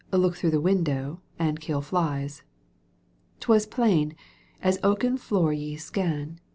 Look through the window and кШ flies. 'Twas. plain — an oaken floor ye scan.